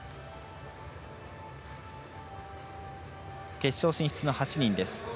決勝進出の８人です。